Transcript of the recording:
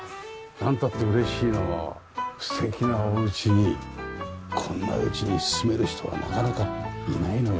なんたって嬉しいのは素敵なお家にこんな家に住める人はなかなかいないのよ。